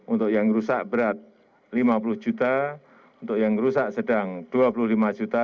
untuk yang rusak berat lima puluh juta untuk yang rusak sedang dua puluh lima juta